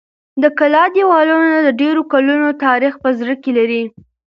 د کلا دېوالونه د ډېرو کلونو تاریخ په زړه کې لري.